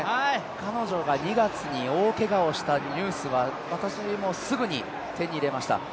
彼女が２月に大けがをしたニュースは私もすぐに手に入れました。